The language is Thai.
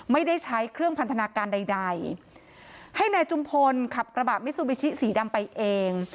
ไม่ได้ใช้เครื่องพันธนาการใดใดให้นายจุมพลขับกระบะมิซูบิชิสีดำไปเอง